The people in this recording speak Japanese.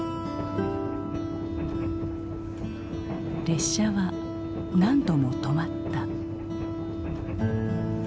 列車は何度も止まった。